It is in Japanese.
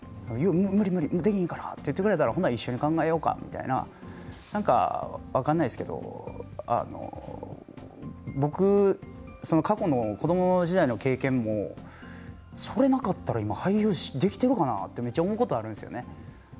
無理無理と言ってくれたら一緒に考えようかと分からないですけど僕は過去の子どもの時代の経験もそれがなかったら今俳優ができているのかなというむっちゃ思うことがあるんですよね。